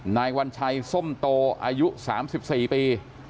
นายวัญชัยส้มโตอายุ๓๔ปี